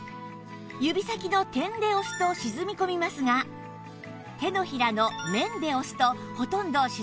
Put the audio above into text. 指先の点で押すと沈み込みますが手のひらの面で押すとほとんど沈み込まないんです